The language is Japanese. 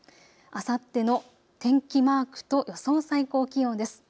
あさっての天気マークと予想最高気温です。